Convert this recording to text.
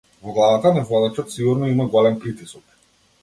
Во главата на водачот сигурно има голем притисок.